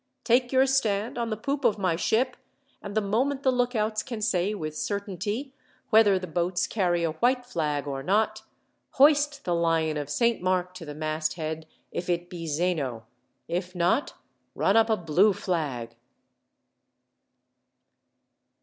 Take your stand on the poop of my ship, and the moment the lookouts can say, with certainty, whether the boats carry a white flag or not, hoist the Lion of Saint Mark to the masthead, if it be Zeno. If not, run up a blue flag!"